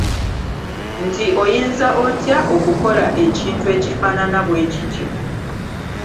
Nti oyinza otya okukola ekintu ekifaanana bwekityo?